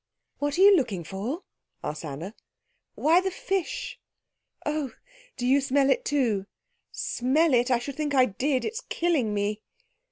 "What are you looking for?" asked Anna. "Why, the fish." "Oh, do you smell it too?" "Smell it? I should think I did. It's killing me."